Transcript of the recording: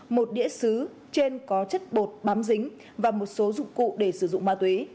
một đĩa xứ trên có chất bột bám dính và một số dụng cụ để sử dụng ma túy